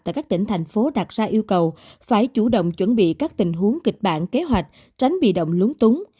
tại các tỉnh thành phố đặt ra yêu cầu phải chủ động chuẩn bị các tình huống kịch bản kế hoạch tránh bị động lúng túng